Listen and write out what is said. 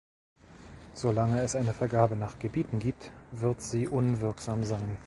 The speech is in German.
Solange es eine Vergabe nach Gebieten gibt, wird sie unwirksam sein.